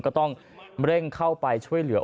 ก็ต้องเร่งเข้าไปช่วยเหลือ